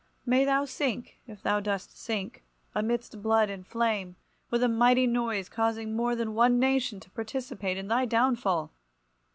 May thou sink, if thou dost sink, amidst blood and flame, with a mighty noise, causing more than one nation to participate in thy downfall!